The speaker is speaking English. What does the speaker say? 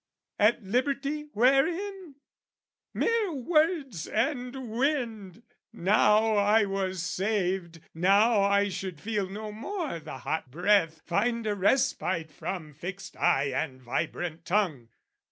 At liberty wherein? Mere words and wind! "Now I was saved, now I should feel no more "The hot breath, find a respite from fixed eye "And vibrant tongue!"